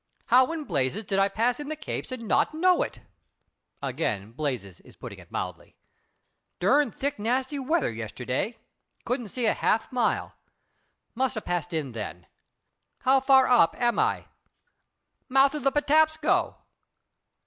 "How in blazes did I pass in the Capes and not know it?" Again "blazes" is putting it mildly. "Durned thick, nasty weather yesterday. Couldn't see a half mile. Must a passed in then. How far up am I?" "Mouth of the Patapsco."